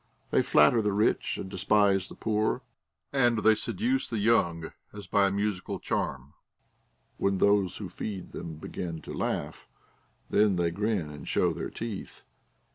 They flatter the rich, and despise the poor ; and they seduce the young, as by a musical charm. When those who feed them begin to laugh, then they grin and show their teeth.